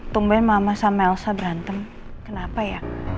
tungguin mama sama elsa berantem kenapa ya